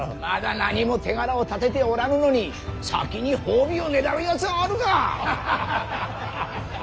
まだ何も手柄を立てておらぬのに先に褒美をねだるやつがあるか。